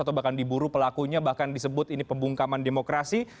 atau bahkan diburu pelakunya bahkan disebut ini pembungkaman demokrasi